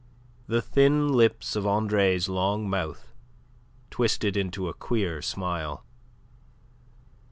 The thin lips of Andre's long mouth twisted into a queer smile.